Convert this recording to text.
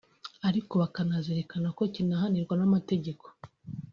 ariko bakanazirikana ko kinahanirwa n’amategeko